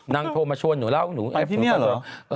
นางโทรมาชวนหนูเล่าหนูแอฟหนูไปเลยไปที่นี่เหรอ